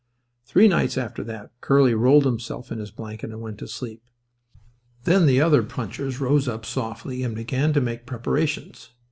Three nights after that Curly rolled himself in his blanket and went to sleep. Then the other punchers rose up softly and began to make preparations.